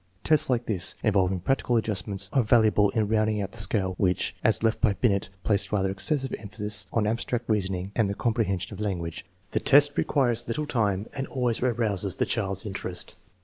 Tests like this, involving practical adjustments, are valuable in rounding out the scale, which, as left by Binet, placed rather excessive emphasis on abstract rea TEST NO. VEI, 2 213 soning and the comprehension of language. The test re quires little time and always arouses the child's interest.